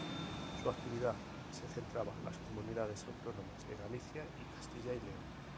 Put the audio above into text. Su actividad se centraba las Comunidades Autónomas de Galicia y Castilla y León.